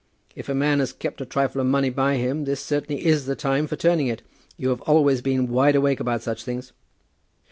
"If a man has kept a trifle of money by him, this certainly is the time for turning it. You have always been wide awake about such things."